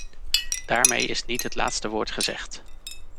Daarmee is niet het laatste woord gezegd.